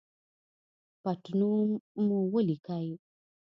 پټنوم مو ولیکئ